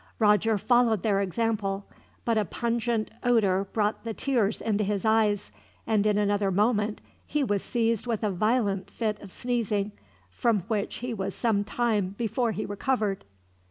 Roger followed their example, but a pungent odor brought the tears into his eyes, and in another moment he was seized with a violent fit of sneezing, from which he was some time before he recovered.